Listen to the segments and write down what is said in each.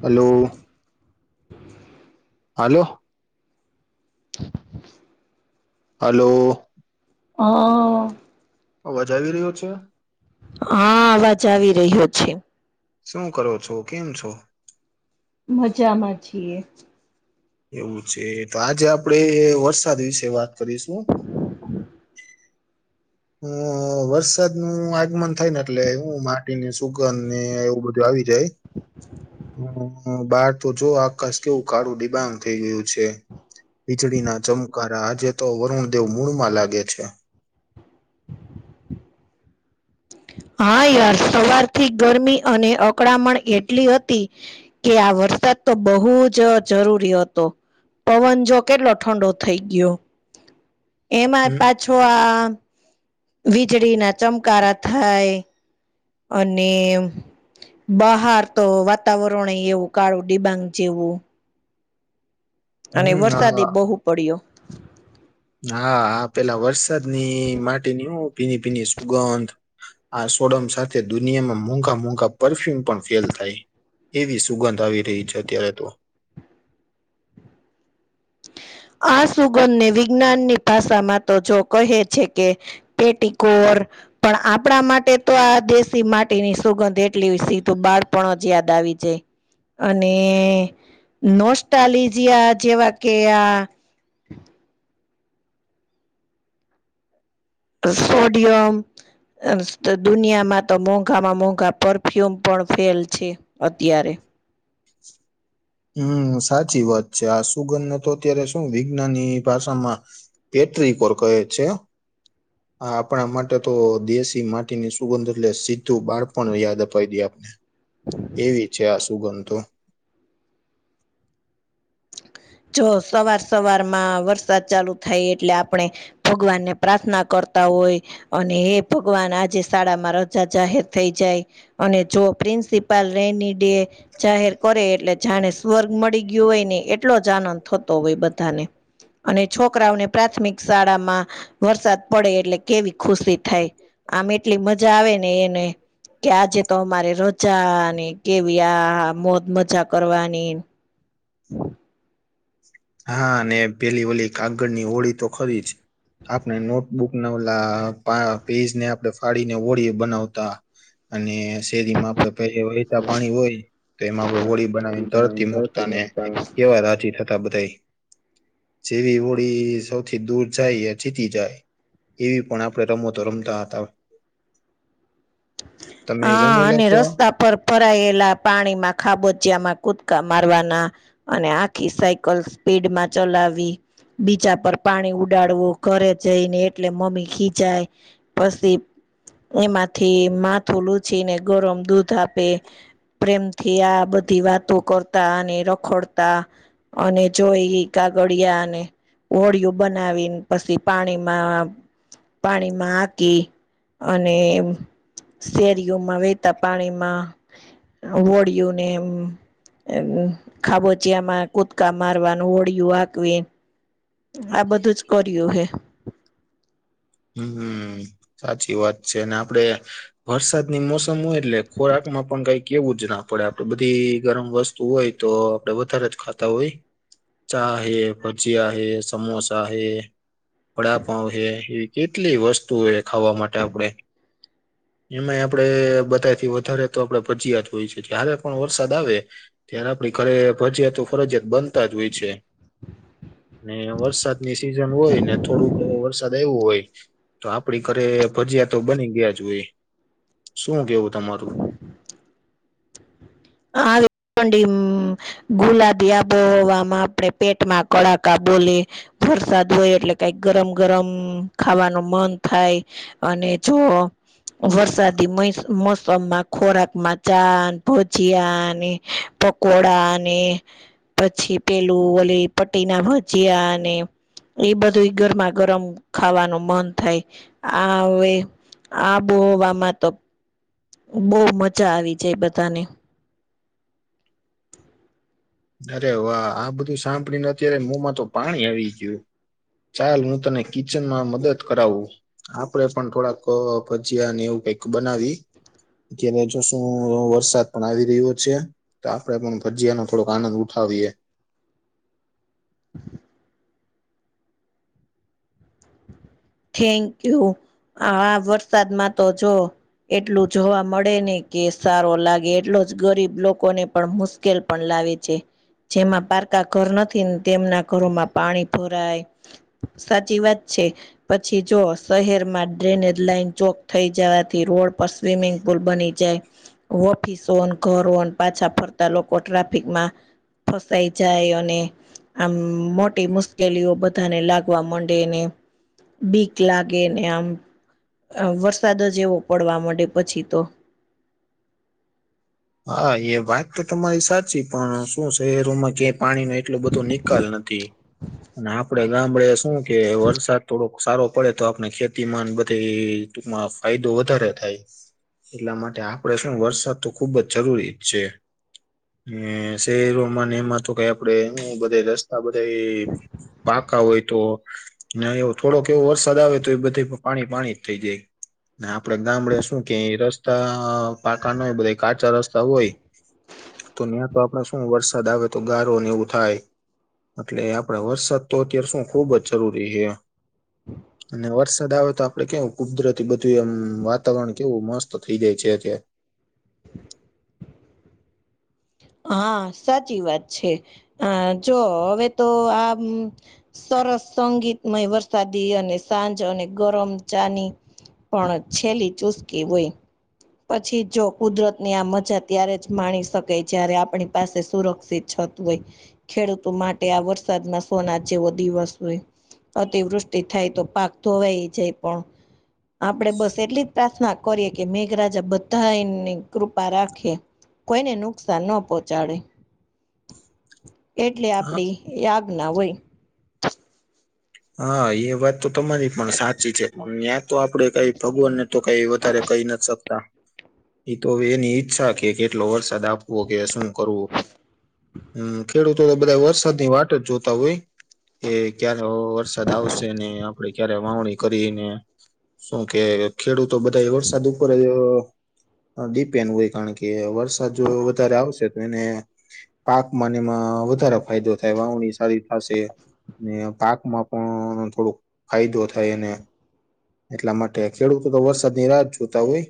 Hello હાલો [inaudible] હાલો હ અવાજ આવી રહ્યો છે. હા અવાજ આવી રહ્યો છે. શું કરો છો? કેમ છો? મજામાં છીએ. એવું છે, તો આજે આપડે વરસાદ વિશે વાત કરીશું. હ વરસાદનું આગમન થાયને એટલે હું માટીનુ સુગંધને એવું બધું આવી જાય, બાદ તો જો આકાશ કેવું કાળુ ડિબાંગ થઈ ગયું છે, વીજળીના ચમ કારા આજે તો વરુણ દેવ મૂળમાં લાગે છે. હા યાર સવારથી ગરમી અને અકડામણ એટલી હતી કે આ વરસાદ તો બહુ જ જરૂરી હતો. પવન જો કેટલો ઠંડો થઈ ગયો, એમાં જ હમ પાછો આ વીજળીના ચમકારા થાય, અને બહાર તો વાતાવરણએ એવું કાળું ડિબાંગ જેવું. અને હમ વરસાદ એ હા બહુ પડ્યો. હા પેલા વરસાદની માટીની ઓ ભીની ભીની સુગંધ આ સોડમ સાથે દુનિયામાં મોંઘા મોંઘા પરફ્યુમ પણ ફેલ થાય. એવી સુગંધ આવી રહી છે, અત્યારે તો આ સુગંધને વિજ્ઞાનની ભાષામાં તો જો કહે છે કે પેટી કોર પણ આપણા માટે તો આ દેશી માટીની સુગંધ એટલી સીધું બાળપણ જ યાદ આવી જાય. અને નોસ્ટાલીજયા જેવા કે આ સોડિયમ. અ દુનિયામાં તો મોંઘામાં મોંઘા પરફ્યુમ પણ ફેલ છે. અત્યારે હમ્મ, સાચી વાત છે આ સુગંધને તો અત્યારે શું વિજ્ઞાાનની ભાષામાં પેટ્રિકોર કહે છે. [inaudible] આ આપણા માટે તો દેશી માટીની સુગંધ એટલે સીધું બાળપણ યાદ અપાય દઈ આપને એવી છે આ સુગંધ તો જો સવાર સવારમાં વરસાદ ચાલુ થાય એટલે આપણે ભગવાનને પ્રાર્થના કરતા હોય. અને એ ભગવાન આજે શાળામાં રજા જાહેર થઈ જાય. અને જો પ્રિન્સિપાલ રેની ડે, જાહેર કરે એટલે જાણે સ્વર્ગ મળી ગયું હોય ને એ ટલોજ આનંદ થતો હોય બધાને અને છોકરાઓને પ્રાથમિક શાળામાં વરસાદ પડે એટલે કેવી ખુશી થાય. આમ એટલી મજા આવે ને એને કે આજે તો અમારે રજા ને કેવી આ મોજ મજા કરવાની [inaudible] હા ને પેલી વલી કાગળની હોળી તો ખરી જ. આપણે નોટબુક ના ઓલા પા પેજને આપણે ફાડીને હોળી યે બનાવતા. અને શેરીમાં આપડે તે વહેતા પાણી હોય તો એમાં આપડે હોળી રંગોળી બનાવીને બનાવી તરતી તરથી મુકતાને મુકતા કેવા રાજી થતા. તા બધા એ, જેવી હોડી સૌથી દૂર જાય એ જીતી જાય. એવી પણ આપણે રમતો રમતા હતા. તમે હા રમેલા અને છો આ રસ્તા કેટલા ભરાયેલા પાણીમાં, ખાબોચિયામાં કુદકા મારવાના! ! અને આખી સાયકલ સ્પીડમાં ચલાવી,, બીજા પર પાણી ઉડાડવું, ઘરે જઈને એટલે મમ્મી ખીજાય,, પછી એમાંથી માથું લૂછી, ને ગરમ દૂધ આપે પ્રેમથી આ બધી વાતો કરતા, અને રખડતા! ! અને જોઈ કાગળિય ને હોળિયો બનાવીને પછી પાણીમાં પાણીમાં આકી અને! ! શેરીઓમાં, વેતા પાણીમાં, હોડીયું ને એમ! ! [unintelligible] ખાબોચિયામાં, કુદકા મારવાનું, હોળિયું આકવી! ! આ બધું જ કર્યું હે! ! હમ સાચી વાત છે, અને આપડે વરસાદની મોસમ હોય, એટલે ખોરાક માં પણ કઈ કેવું જ ના પડે, આપડે બધી ગરમ વસ્તુ હોય! તો આપડે વધારે જ ખાતા હોય. ચા હૈ, ભજીયા હૈ, સમોસા હૈ, વડાપાઉ હૈ! કેટલી વસ્તુ એ ખાવા માટે આપણે! ! એમાંય આપડે બધાથી વધારે, તો આપડે ભજીયાત હોય છે, હારે પણ વરસાદ આવે [unintelligible] ત્યારે આપણી ઘરે ભજીયાતો ફરજિયાત, બનતા જ હોય છે! ને વરસાદ ની સિઝન હોય, ને થોડુંક વરસાદ આવું હોય તો આપડી ઘરે ભજીયા તો બની ગયા જ હોય, શું કેવું તમારું? [unintelligible] ગુલાબી આબોહવામાં આપણે પેટમાં કડાકા બોલી વરસાદ હોય એટલે કઈક ગરમ ગરમ ખાવાનું મન થઈ! અને જો [unintelligible] વરસાદી મોસમમાં ખોરાક મા ચા, ને બધું ભજીયાને પકોડાને પછી પેલું ઓલી પટ્ટી ભજીયા અને એ બધું ગરમા ગરમ ખાવાનું મન થાય, આ હવે આબોહવા મા તો! ! બહુ મજા આવી જાય બધાને, અરે વાહ! આ બધું સાંભળી ને તો અત્યારે મોં મા તો પાણી આવી ગયું,, ચાલ, હું તને કિચનમાં મદદ કરાવું! ! આપડે પણ થોડાક ભજીયા ને એવું કંઈક બનાવીએ! ! અત્યારે જો શું વરસાદ પણ આવી રહ્યો છે, તો આપડે પણ ભજીયા ન [unintelligible] થોડોક આનંદ ઉઠાવીએ! ! થેન્ક યુ, આ વરસાદમાં તો જો! ! એટલું જોવા મળે ને કે સારો લાગે, એટલો જ ગરીબ લોકોને પણ મુશ [unintelligible] મુશકેલ પણ લાવે છે! ! જેમાં પારકા ઘર નથી, ને તેમના ઘરોમાં પાણી ભરાય! ! સાચી વાત છે! પછી જો શહેરમાં ડ્રેનેજ લાઈન ચોક થઈ જવાથી, રોડ પર સ્વિમિંગ પુલ બની જાય! ! ઓફિસોને ઘરો પાછા, ફરતા લોકો ટ્રાફિકમાં ફસાઈ જાય અને આમ મોટી મુશ્કેલીઓ, બધાને લાગવા માંડે ને બીક લાગે ને. આમ, વરસાદ જ એવો પડવા મડે પછી તો. હા એ વાત તો તમારી સાચી. પણ શું શહેરોમાં ક પાણી નો એટલો બધો નિકાલ નથી. અને આપડે ગામડે શું કે વરસાદ થોડોક સારો પડે તો આપણે ખેતીમાં ને બધી ટૂકમાં ફાયદો વધારે થાય. એટલા માટે આપણે શું વરસાદ તો ખૂબ જ જરૂરી છે. શહેરોમાં એમાં તો કઈ આપડે બધે રસ્તા બધા પાક હોય તો એવ થોડોક એવો વરસાદ આવે તો એ બધે પાણી પાણી જ થઈ જાય. ને આપડે ગામડે શું કે રસ્તા પાકા ના હોય બધા કાચા રસ્તા હોય. તો ન્યાં તો આપડ શું વરસાદ આવે તો ગારો એવું થાય. એટલે આપડે વરસાદ તો અત્યારે શું ખુબ જ જરૂરીહેએમ. હમ. અને વરસાદ આવે તો આપડે કેવું કુદરતી બધું એમ વાતાવરણ કેવું મસ્ત થઈ જાય છેતેયા. હા સાચી વાત છે આ જોવોહવે તો આમ. સરસ સંગીતમય વરસાદી અને સાંજ અને ગરમ ચાની. પણ છેલ્લી ચુસકી હોય. પછી જો કુદરત. ની આ મજા ત્યારે જ માણી શકે જયારે આપણી પાસે સુરક્ષિત છત હોય. ખેડૂતો માટે આ વરસાદમાં સોનાજેવો દિવસ વસ્તુ હોય. અતિવૃષ્ટિ થાય તો પાક ધોવાઈ જાય પણ. આપણે બસ એટલી જ પ્રાર્થના કરીએ કે મેઘરાજા બધાની કૃપા રાખીએ. કોઈ નેનુ. નુકસાન ન પહોંચાડે એટલે આપડી યાજ્ઞા હોય. હા એ વાત તો તમારી પણ સાચી છે પણ ત્યાં તો આપડે કંઈ. ભગવાનને તો કઈ વધારે કહી નથી શકતા તો હવેએતોએની ઈચ્છા કે. કેટલો વરસાદ આપવો કે શું કરવું. હમ ખેડૂતો ખેડૂતબંધા વરસાદની વાટ જોતા હોય એ ક્યારે. વરસાદઆવશે ને આપડે ક્યારે વાવણી કરીને શું કે. ખેડૂતો બધાં વરસાદ ઉપર. ડીપેન્ડ હોય કારણ કે વરસાદ જો વધારે આવશે તો એને. પાકમાંને એમાં વધારે ફાયદો થાય વાવણી સારી થશે ને પાકમાં. પણ થોડોક ફાયદો થાય અને એટલા માટે ખેડૂતો તો વરસાદ ની રાહત જોતા હોય.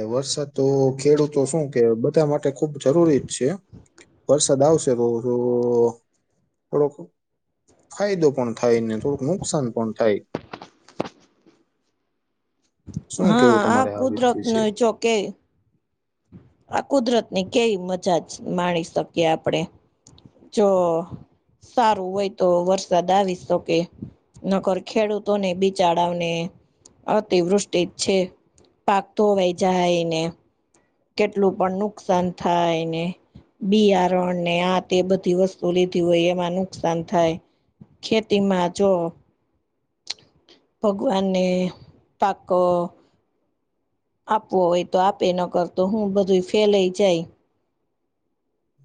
એ વરસાદ તો ખેડૂતો શું કે બધા માટે ખુબ જરૂરી જ છે. વરસાદ આવશે તો થોડોક ફાયદો પણ થાય ને થોડુંક નુકસાન પણ થાય. શું હા કેવું આ તમારે વિ- કુદરત ન વિશે જો કે. આ કુદરતની કેવી મજામાણી શકીએ આપડે. જો સારું હોય તો વરસાદ આવી શકે. નકર ખેડૂતોને બિચારા વોને અતિવૃષ્ટિ છે. પાક‌ધોવાય જાયને. કેટલું પણ નુકસાન થાયને. બિયારણ ને આ તે બધી વસ્તુ લીધી હોય એમાં નુકસાન થાય. ખેતી માં જો ભગવાન ને પાકો આપવો હોય તો આપે ન કરતો હું બધું ફેલેઈ જાય.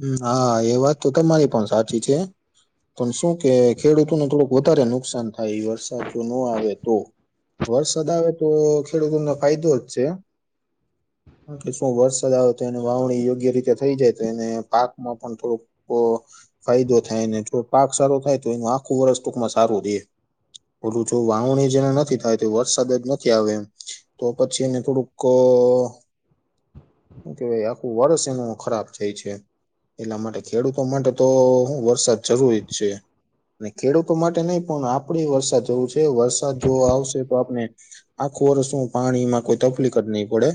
હ હા એ વાત તો તમારી પણ સાચી છે. પણ શું કે ખેડૂતોને થોડુંક વધારે નુકસાન થાય, ઈ વરસાદ જો ન આવે તો. વરસાદ આવે તો ખેડૂતોને ફાયદો જ છે. કે શું વરસાદ આવે તો એની વાવણી યોગ્ય રીતે થઇ જાય તો એને્. પાકમાં પણ થોડુંક પો ફાયદો થાય ને, જો પાક સારો થાય તો એનું આખું વર્ષ ટૂંકમાં સારું રે. ઓલું જો વાવણી જેને નથી થાય તે વરસાદજ નથી આવે એમ તો પછી એને થોડુંક. હુ કેવાય, આખું વર્ષ એનું ખરાબ થાય છે. એટલા માટે ખેડૂતો માટે તો હુ વરસાદ જરૂરી જ છે. અને ખેડૂતો માટે નહી પણ આપડે વરસાદ જવું છે વરસાદ જો આવશે તો આપણે આખું વર્ષ શું પાણીમાં કોઈ તકલીક જ નહીં પડે.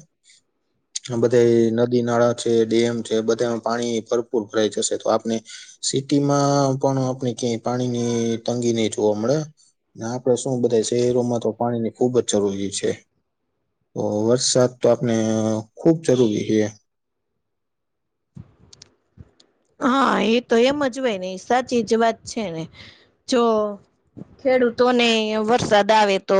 આમ બધે નદી નાળા છે, ડેમ છે, બધે આમ પાણી ભરપૂર ભરાઈ જશે તો આપને સિટીમાં પણ આપણે ક્યાય પાણીની તંગી નહી જોવા મળે. ને આપડે શું બધા શહેરોમાં તો પાણી ની ખુબ જ જરૂરી છે. ઓ વરસાદ તો આપણે ખુબ જરૂરી હે. હા, એતો એમ જ હોય ને, સાચી જ વાત છેને જો ખેડૂતોને વરસાદ આવે તો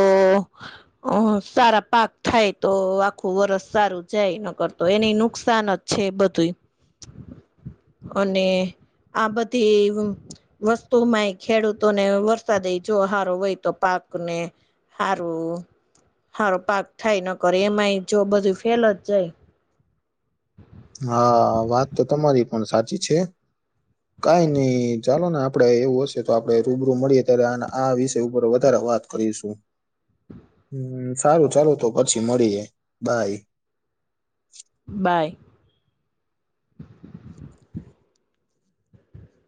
અ સારા પાક થાય તો, આખું વરર્ષ સારું જાય, ન કરરતો એને નુકસાન જ છે બધુંય. અને આ બધી વસ્તુમાંય ખેડૂતોને વરસાદય જો હારો હોય તો પાકને હારું, હારું પાક થાય ન કરે એમાય જો બધું ફેલ જ જાય. હા, વાત તો તમારી પણ સાચી છે. કઈ ની ચાલો ને આપડે એવું હશે તો આપડે રૂબરૂ મળીએ ત્યારે આન આ વિષય ઉપર વધારે વાત કરીશું. [inaudible] હમ્મ, સારું ચાલું તો પછી મળીયે બાય. બાય.